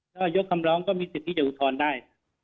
ถ้ายกคำร้องก็มีสิทธิ์ที่จะอุทธรณ์ได้